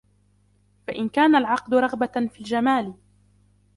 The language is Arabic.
فَإِنْ كَانَ الْعَقْدُ رَغْبَةً فِي الْجَمَالِ